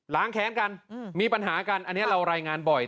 แค้นกันมีปัญหากันอันนี้เรารายงานบ่อย